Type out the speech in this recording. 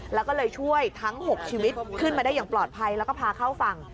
แล้วก็เลยช่วยทั้ง๖ชีวิตขึ้นมาได้อย่างปลอดภัยแล้วก็พาเข้าฝั่ง